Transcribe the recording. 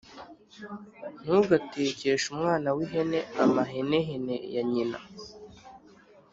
Ntugatekeshe umwana w ihene amahenehene ya nyina